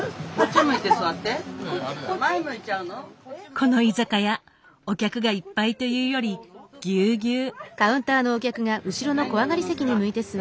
この居酒屋お客がいっぱいというよりぎゅうぎゅう。